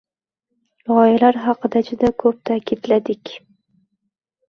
Gʻoyalar haqida juda koʻp taʼkidladik.